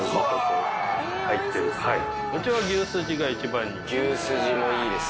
うちは牛すじが一番人気です。